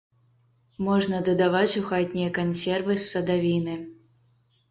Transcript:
Можна дадаваць у хатнія кансервы з садавіны.